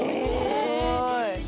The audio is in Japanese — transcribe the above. すごーい！